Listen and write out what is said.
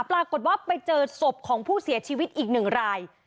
ปรากฏว่าไปเจอศพของผู้เสียชีวิตอีกหนึ่งราย